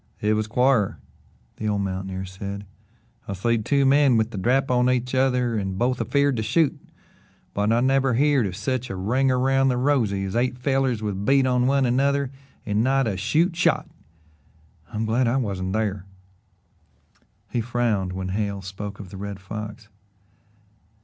"It was quar," the old mountaineer said. "I've seed two men with the drap on each other and both afeerd to shoot, but I never heerd of sech a ring around the rosy as eight fellers with bead on one another and not a shoot shot. I'm glad I wasn't thar." He frowned when Hale spoke of the Red Fox.